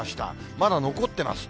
まだ残ってます。